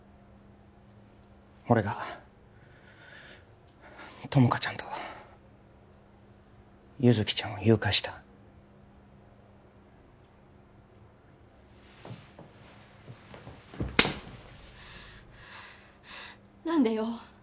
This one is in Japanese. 俺が友果ちゃんと優月ちゃんを誘拐した何でよ？